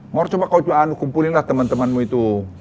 mau coba kau cuman kumpulin lah teman temanmu itu